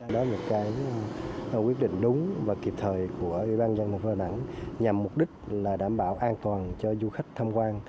đó là một quyết định đúng và kịp thời của ủy ban nhân dân thành phố đảng nhằm mục đích là đảm bảo an toàn cho du khách tham quan